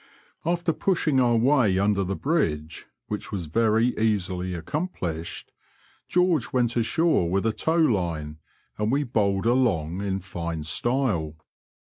After pushing our way under the bridge, which was very easily accomplished, George went ashore with a tow line, and We bowled along in fine style.